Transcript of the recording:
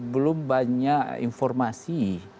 belum banyak informasi